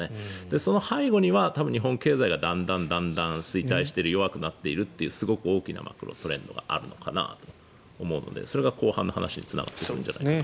その背後には日本経済がだんだん衰退していっているというすごく大きなマクロトレンドがあるのかなと思うのでそれが後半の話につながってくるんじゃないかなと。